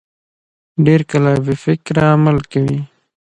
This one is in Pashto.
ډېر کله بې فکره عمل کوي.